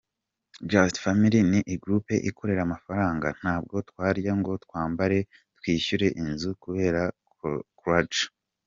Just Family ni group ikorera amafaranga, ntabwo twarya ngo twambare, twishyure inzu kubera Croidja.